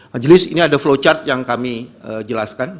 majelis ini ada flowchart yang kami jelaskan